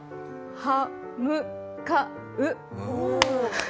は・む・か・う。